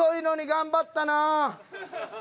頑張ったなあ。